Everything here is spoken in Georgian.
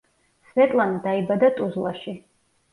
სვეტლანა დაიბადა ტუზლაში.